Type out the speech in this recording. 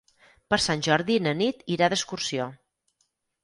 Per Sant Jordi na Nit irà d'excursió.